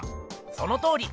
そのとおり！